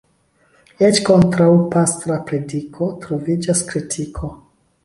Eĉ kontraŭ pastra prediko troviĝas kritiko.